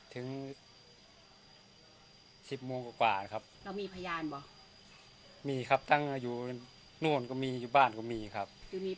ถึงสิบโมงกว่านะครับเรามีพยานเหรอมีครับตั้งอยู่นู่นก็มีอยู่บ้านก็มีครับ